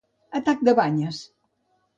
Atac de banyes.